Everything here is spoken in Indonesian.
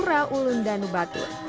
termasuk pura ulu danu batur